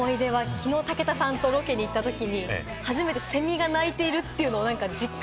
きのう武田さんとロケに行ったときに初めてセミが鳴いているというのを実感。